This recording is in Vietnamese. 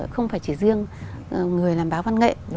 không phải chỉ riêng người làm báo văn nghệ